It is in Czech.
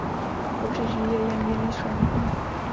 Pobřeží je jen mírně členité.